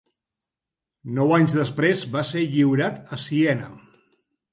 Nou anys després va ser lliurat a Siena.